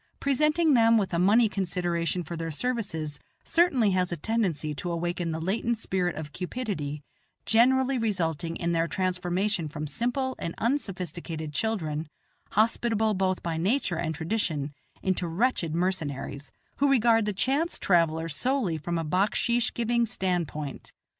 Presenting them with a money consideration for their services certainly has a tendency to awaken the latent spirit of cupidity, generally resulting in their transformation from simple and unsophisticated children, hospitable both by nature and tradition, into wretched mercenaries, who regard the chance traveller solely from a backsheesh giving stand point.